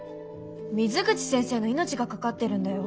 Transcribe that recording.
水口先生の命がかかってるんだよ？